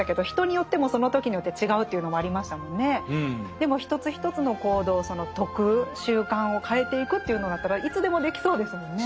でも一つ一つの行動その徳習慣を変えていくというのだったらいつでもできそうですもんね。